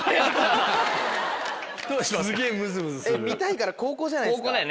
見たいから後攻じゃないですか？